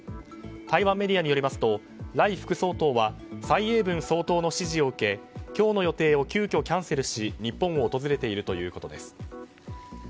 台湾メディアによりますとライ副総統は蔡英文総統の指示を受け今日の予定を急きょキャンセルし日本を訪れているということです。